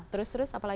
terus terus apa lagi